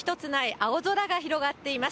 青空が広がっています。